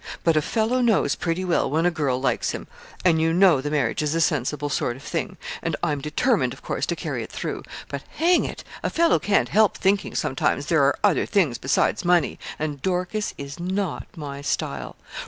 But a fellow knows pretty well when a girl likes him, and you know the marriage is a sensible sort of thing, and I'm determined, of course, to carry it through; but, hang it, a fellow can't help thinking sometimes there are other things besides money, and Dorcas is not my style.